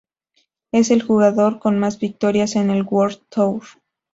Es el jugador con más victorias en el World Tour.